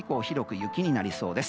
雪になりそうです。